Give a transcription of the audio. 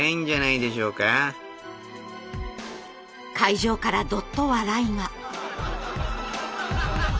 会場からどっと笑いが。